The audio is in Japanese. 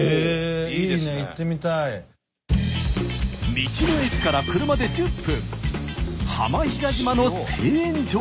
道の駅から車で１０分。